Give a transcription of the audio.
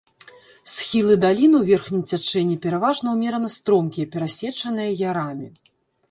Схілы даліны ў верхнім цячэнні пераважна ўмерана стромкія, перасечаныя ярамі.